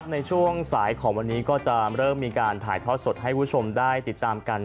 ในช่วงสายของวันนี้ก็จะเริ่มมีการถ่ายทอดสดให้คุณผู้ชมได้ติดตามกัน